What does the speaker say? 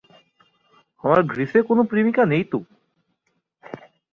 আমার গ্রীসে কোন প্রেমিকা নেই তো।